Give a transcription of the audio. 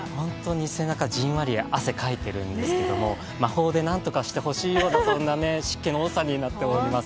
背中、じんわり汗かいているんですけど魔法でなんとかしてほしい湿気の多さになっています。